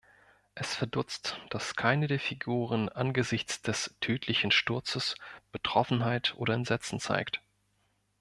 Es verdutzt, dass keine der Figuren angesichts des tödlichen Sturzes Betroffenheit oder Entsetzen zeigt.